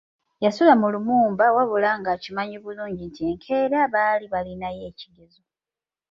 Yasula mu Lumumba wabula ng’akimanyi bulungi nti enkeera baali balinayo ekigezo.